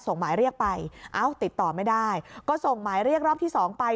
หมายเรียกไปเอ้าติดต่อไม่ได้ก็ส่งหมายเรียกรอบที่สองไป